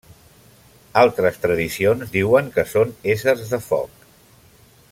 Altres tradicions diuen que són éssers de foc.